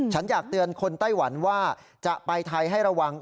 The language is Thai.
ฉันอยากเตือนคนไต้หวันว่าจะไปไทยให้ระวัง